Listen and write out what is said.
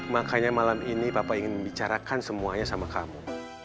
makanya malam ini papa ingin membicarakan semuanya sama kamu